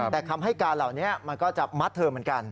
แต่คำให้การเหล่านี้มันก็จะมัดเธอเหมือนกัน